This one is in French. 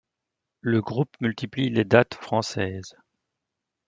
Le groupe multiplie les dates françaises.